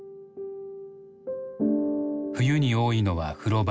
冬に多いのは風呂場。